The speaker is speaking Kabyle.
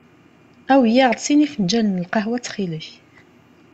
Awi-aɣ-d sin ifenǧalen n lqahwa ttxil-k.